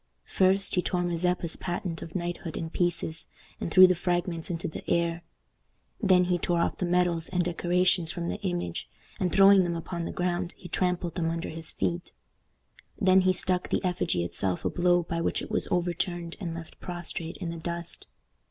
First, he tore Mazeppa's patent of knighthood in pieces, and threw the fragments into the air. Then he tore off the medals and decorations from the image, and, throwing them upon the ground, he trampled them under his feet. Then he struck the effigy itself a blow by which it was overturned and left prostrate in the dust.